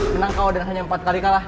menang kau dan hanya empat kali kalah